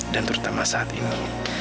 dan terutama saat ini